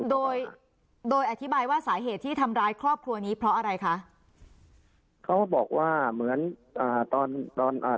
โดยโดยอธิบายว่าสาเหตุที่ทำร้ายครอบครัวนี้เพราะอะไรคะเขาก็บอกว่าเหมือนอ่าตอนตอนอ่า